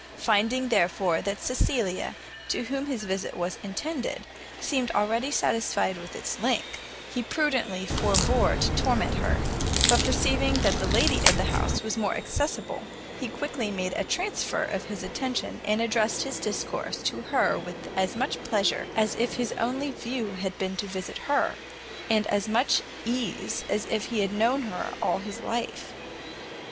Finding, therefore, that Cecilia, to whom his visit was intended, seemed already satisfied with its length, he prudently forbore to torment her; but perceiving that the lady of the house was more accessible, he quickly made a transfer of his attention, and addressed his discourse to her with as much pleasure as if his only view had been to see her, and as much ease as if he had known her all his life.